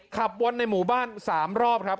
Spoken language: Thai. ขับวนในหมู่บ้าน๓รอบครับ